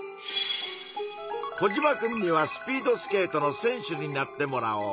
コジマくんには「スピードスケートの選手」になってもらおう。